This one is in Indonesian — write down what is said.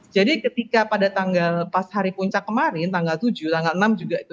jadi ketika pada tanggal pas hari puncak kemarin tanggal tujuh tanggal enam juga itu